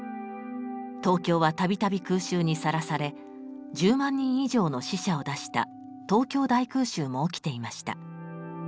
東京は度々空襲にさらされ１０万人以上の死者を出した東京大空襲も起きていました。